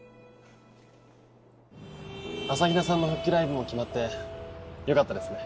朝比奈さんの復帰ライブも決まってよかったですね。